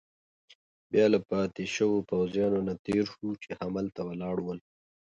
بیا له پاتې شوو پوځیانو نه تېر شوو، چې هملته ولاړ ول.